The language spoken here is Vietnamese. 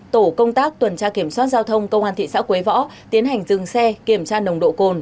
tổ công tác tuần tra kiểm soát giao thông công an thị xã quế võ tiến hành dừng xe kiểm tra nồng độ cồn